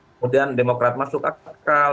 kemudian demokrat masuk akal